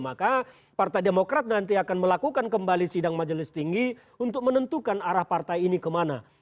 maka partai demokrat nanti akan melakukan kembali sidang majelis tinggi untuk menentukan arah partai ini kemana